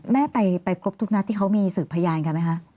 แม่ไปครบทุกนัดที่เขามีสืบพยานกันไหมคะ